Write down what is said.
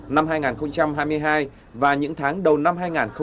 năm hai nghìn hai mươi hai và những tháng đầu năm hai nghìn hai mươi bốn